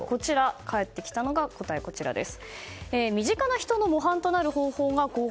返ってきた答えが、こちらです。